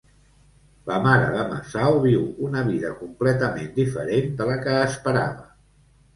La mare de Masao viu una vida completament diferent de la que esperava.